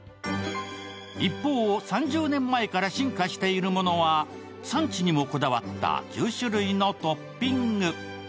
一方、３０年前から進化しているものは産地にもこだわった９種類のトッピング。